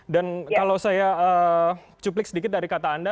dan kalau saya cuplik sedikit dari kata anda